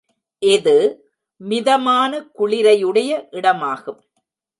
இது மிதமான குளிரையுடைய இடமாகும்.